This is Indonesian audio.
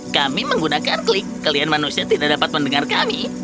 kami menggunakan klik kalian manusia tidak dapat mendengar kami